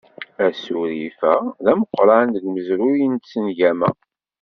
Asurif-a d ameqqran deg umezruy n tsengama.